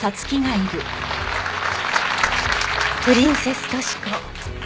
プリンセス・トシコ。